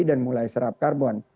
dan mulai serap karbon